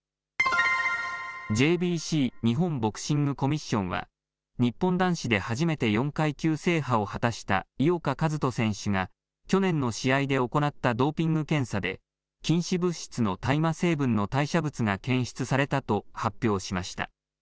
ＪＢＣ日本ボクシングコミッションは日本男子で初めて４階級制覇を果たした井岡一翔選手が去年の試合で行ったドーピング検査で禁止物質の大麻成分の代謝物が検出されたと発表しました。